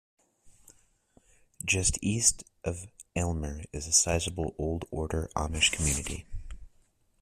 Just east of Aylmer is a sizable Old Order Amish community.